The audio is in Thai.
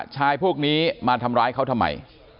ชายพวกนี้มาทำร้ายเขาทำไม